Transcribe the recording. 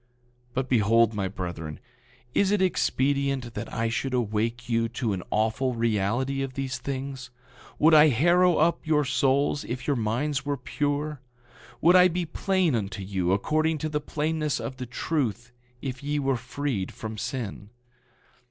9:47 But behold, my brethren, is it expedient that I should awake you to an awful reality of these things? Would I harrow up your souls if your minds were pure? Would I be plain unto you according to the plainness of the truth if ye were freed from sin?